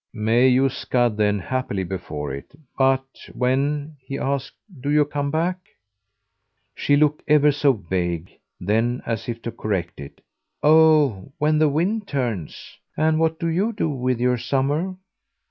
"May you scud then happily before it! But when," he asked, "do you come back?" She looked ever so vague; then as if to correct it: "Oh when the wind turns. And what do you do with your summer?"